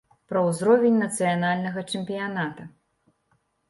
Пра узровень нацыянальнага чэмпіяната.